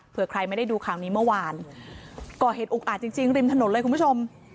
เพื่อใครไม่ได้ดูข่าวนี้เมื่อวานก่อเหตุอุกอาจจริงจริงริมถนนเลยคุณผู้ชม